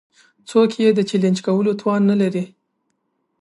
څوک يې د چلېنج کولو توان نه لري.